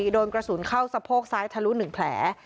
โดนกระสุนเข้าสะโพกซ้ายทะลุ๑แผล